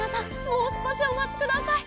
もうすこしおまちください。